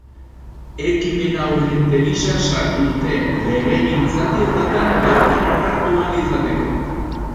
Ekimena urgente gisa sartu dute, legegintzaldi honetan bertan onartu ahal izateko.